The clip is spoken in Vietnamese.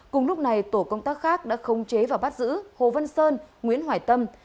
cùng lúc này tổ công tác khác đã không chế và bắt giữ hồ vân sơn nguyễn hoài tâm